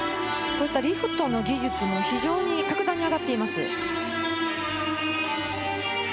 リフトの技術も非常に格段に上がっています。